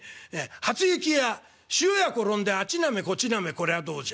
『初雪や塩屋転んであっちなめこっちなめこりゃどうじゃ』」。